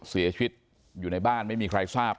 เสียชีวิตอยู่ในบ้านไม่มีใครทราบ